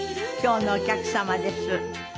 今日のお客様です。